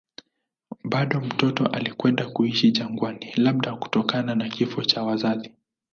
Bado mtoto alikwenda kuishi jangwani, labda kutokana na kifo cha wazazi.